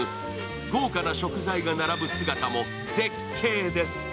豪華な食材が並ぶ姿も絶景です。